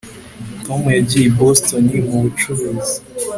Tom yagiye i Boston mu bucuruzi